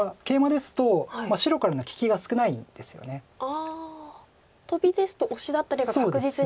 ああトビですとオシだったりが確実に。